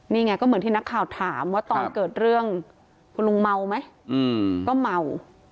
นี่ไงก็เหมือนที่นักข่าวถามว่าตอนเกิดเรื่องคุณลุงเมาไหมก็เมา